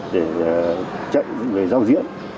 để chạy về giao diễn